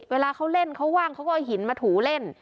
เวลาเขาเล่นเขาว่างเขาก็เอาหินมาถูเล่น